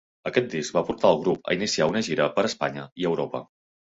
Aquest disc va portar al grup a iniciar una gira per Espanya i Europa.